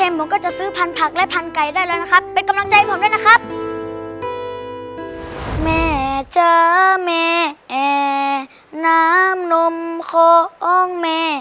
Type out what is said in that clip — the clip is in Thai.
แม่นะแม่จ้าง